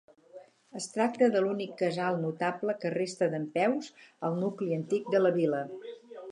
Es tracta de l'únic casal notable que resta dempeus al nucli antic de la vila.